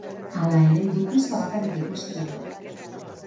Hala ere, dukesa bakarrik ikusi dugu.